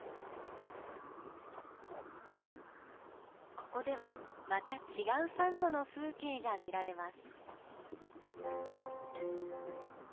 ここではまた違うサンゴの風景が見られます。